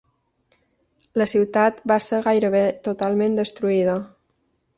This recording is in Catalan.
La ciutat va ser gairebé totalment destruïda.